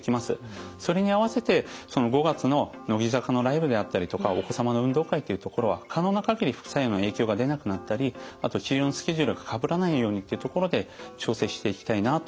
それに合わせて５月の乃木坂のライブであったりとかお子様の運動会っていうところは可能な限り副作用の影響が出なくなったりあと治療のスケジュールがかぶらないようにっていうところで調整していきたいなと。